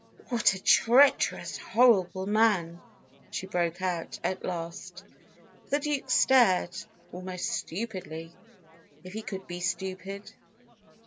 "What a treacherous, horrible man!" she broke out, at last. The Duke stared, almost stupidly if he could be stupid.